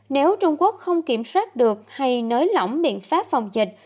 nếu trung quốc không kiểm soát được hay nới lỏng biện pháp phòng dịch